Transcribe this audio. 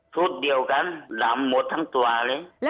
ชุดเดียวกันลำหมดทั้งตัวเลย